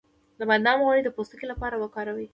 د بادام غوړي د پوستکي لپاره وکاروئ